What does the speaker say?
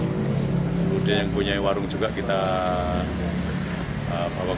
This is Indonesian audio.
kemudian yang punya warung juga kita bawa ke